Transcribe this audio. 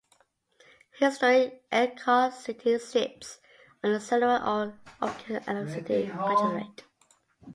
Historic Ellicott City sits on the Silurian or Ordovician Ellicott City Granodiorite.